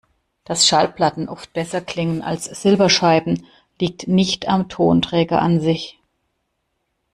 Dass Schallplatten oft besser klingen als Silberscheiben, liegt nicht am Tonträger an sich.